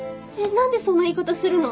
なんでそんな言い方するの？